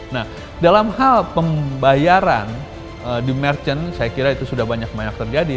nah dalam hal pembayaran di merchant saya kira itu sudah banyak banyak terjadi